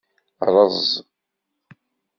Rreẓ.